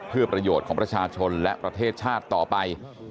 เพื่อประโยชน์ของประชาชนและประเทศชาติต่อไป